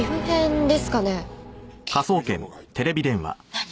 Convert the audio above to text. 「何？」